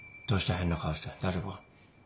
変な顔して大丈夫か？